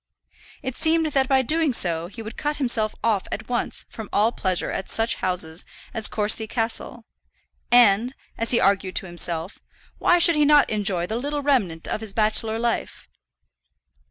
It seemed that by doing so he would cut himself off at once from all pleasure at such houses as Courcy Castle; and, as he argued to himself, why should he not enjoy the little remnant of his bachelor life?